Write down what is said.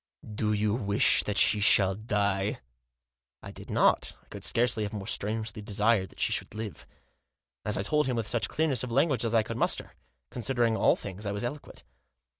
" Do you wish that she shall die ?" I did not. I could scarcely have more strenuously desired that she should live. As I told him with such clearness of language as I could muster. Considering all things I was eloquent.